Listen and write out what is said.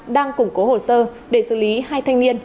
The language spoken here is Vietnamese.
đang củng cố hồ sơ để xử lý hai thanh niên